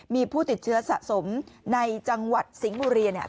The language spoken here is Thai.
มีผู้ติดเชื้อสะสมในจังหวัดสิงห์บุรี